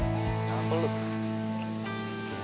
belok lagi ke kanan